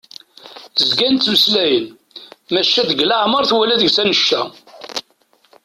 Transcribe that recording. Zgan ttmeslayen maca deg leɛmer twala deg-s annect-a.